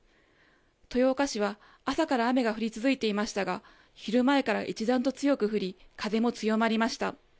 豊岡市は朝から雨が降り続いていましたが昼前から一段と強く降り風も強まりました。